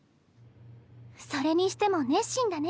それにしても熱心だね